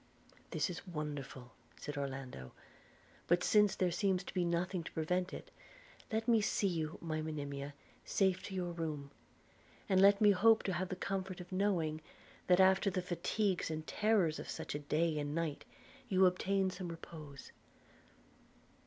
'This is wonderful,' said Orlando; 'but since there seems to be nothing to prevent it, let me see you, my Monimia, safe to your room; and let me hope to have the comfort of knowing, that after the fatigues and terrors of such a day and night, you obtain some repose.'